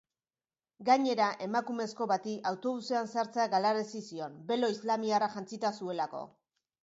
Gainera, emakumezko bati autobusean sartzea galarazi zion, belo islamiarra jantzita zuelako.